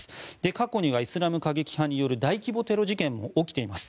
過去にはイスラム過激派による大規模テロ事件も起きています。